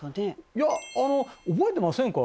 いやあの覚えてませんか？